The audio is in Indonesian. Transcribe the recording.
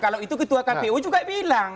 kalau itu ketua kpu juga bilang